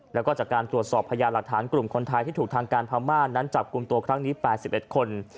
แล้วก็จากการตรวจสอบพยานหลักฐานกลุ่มคนไทยที่ถูกทางการพม่านั้นจับกลุ่มตัวครั้งนี้๘๑คน